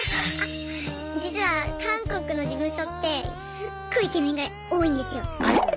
実は韓国の事務所ってすっごいイケメンが多いんですよ。